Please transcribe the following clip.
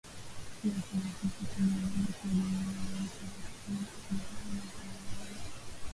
Pia kuna hofu kwamba wanajeshi wa jumuia ya nchi za kujihami za magharibi